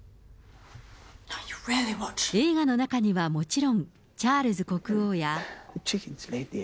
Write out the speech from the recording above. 映画の中にはもちろん、チャールズ国王や。